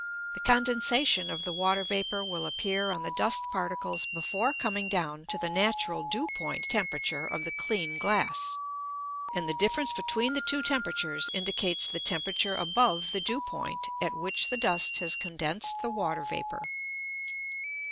The condensation of the water vapour will appear on the dust particles before coming down to the natural dew point temperature of the clean glass. And the difference between the two temperatures indicates the temperature above the dew point at which the dust has condensed the water vapour.